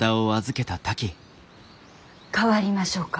代わりましょうか？